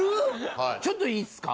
はいちょっといいっすか？